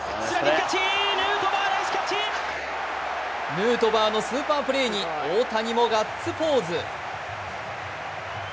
ヌートバーのスーパープレーに大谷もガッツポーズ。